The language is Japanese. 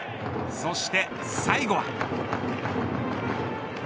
そして最後は。